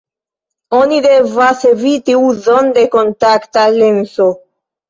Oni devas eviti uzon de kontakta lenso.